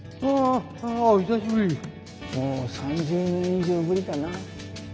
もう３０年以上ぶりかな？